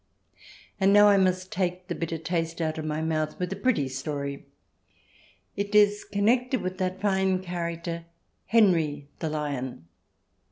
And now I must take the bitter taste out of my mouth with a pretty story. It is connected with that fine character, Henry the Lion.